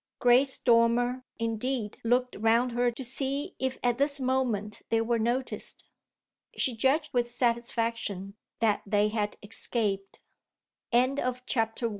Grace Dormer indeed looked round her to see if at this moment they were noticed. She judged with satisfaction that they had escaped. II Nick Dormer walked away with Bidd